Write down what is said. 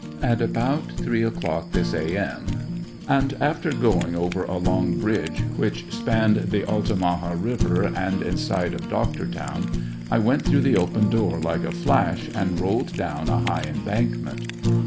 At about three o'clock this A.M., and after going over a long bridge which spanned the Altamaha River and in sight of Doctortown, I went through the open door like a flash and rolled down a high embankment.